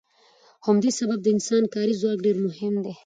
په همدې سبب د انسان کاري ځواک ډیر مهم دی.